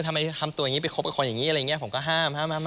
ทำไมทำตัวอย่างนี้ไปคบกับคนอย่างนี้ผมก็ห้าม